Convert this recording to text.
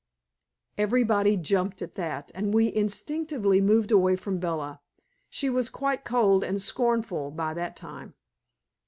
Everybody jumped at that, and we instinctively moved away from Bella. She was quite cold and scornful by that time.